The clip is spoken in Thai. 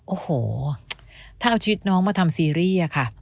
โอ้โหถ้าเอาชีวิตน้องมาทำซีรีส์อะค่ะ